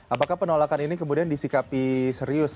apakah penolakan ini kemudian disikapi serius